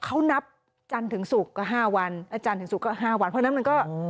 เขานับจันทร์ถึงศุกร์ก็๕วันเพราะฉะนั้นมันก็